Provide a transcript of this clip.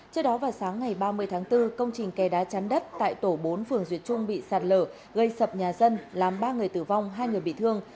trước đó vào sáng ngày ba mươi tháng bốn công trình kè đá chắn đất tại tổ bốn phường duyệt trung bị sạt lở gây sập nhà dân làm ba người tử vong hai người bị thương